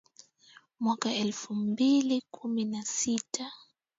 Mwaka wa elfu mbili kumi na sita